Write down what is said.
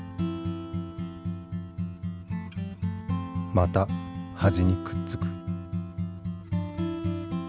また端にくっつく。